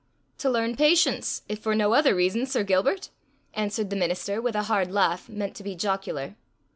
"To learn patience, if for no other reason, Sir Gilbert," answered the minister, with a hard laugh, meant to be jocular.